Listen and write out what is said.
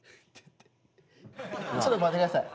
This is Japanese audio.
ちょっと待って下さい。